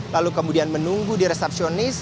lalu kemudian menunggu di resepsionis